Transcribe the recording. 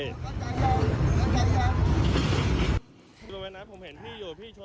รักษาเย็นรักษาเย็น